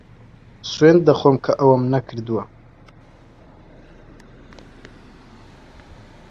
سوێند دەخۆم کە ئەوەم نەکردووە.